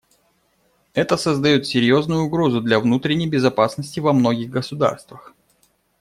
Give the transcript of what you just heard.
Это создает серьезную угрозу для внутренней безопасности во многих государствах.